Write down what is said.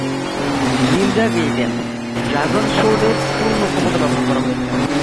Ninja Gaiden: Dragon সোর্ডের পূর্ণ ক্ষমতা ব্যবহার করা হয়েছে।